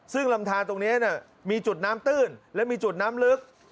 ซึ่งลำทานตรงนี้มีจุดน้ำตื้นและมีจุดน้ำลึก